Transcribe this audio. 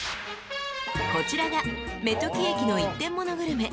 ［こちらが目時駅の一点モノグルメ